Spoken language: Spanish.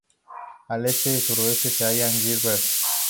Al este-sureste se halla Gilbert.